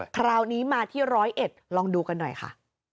คราวนี้มาที่๑๐๑ลองดูกันหน่อยค่ะ